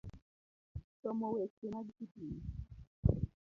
Somo weche mag sitima,